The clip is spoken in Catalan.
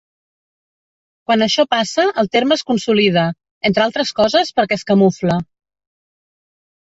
Quan això passa el terme es consolida, entre altres coses perquè es camufla.